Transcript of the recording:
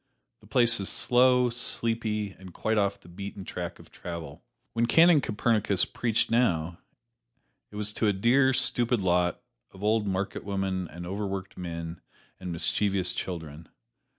The place is slow, sleepy, and quite off the beaten track of travel. When Canon Copernicus preached now, it was to a dear, stupid lot of old marketwomen and overworked men and mischievous children.